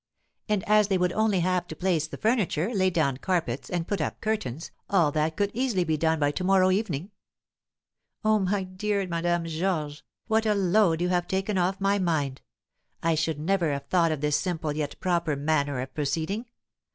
"And as they would only have to place the furniture, lay down carpets, and put up curtains, all that could easily be done by to morrow evening." "Oh, my dear Madame Georges, what a load you have taken off my mind! I should never have thought of this simple yet proper manner of proceeding.